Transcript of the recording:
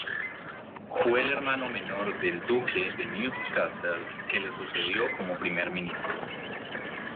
Fue el hermano menor del duque de Newcastle que le sucedió como Primer Ministro.